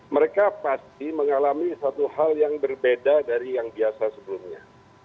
mereka pasti mengalami satu hal yang berbeda dari yang biasa sebelumnya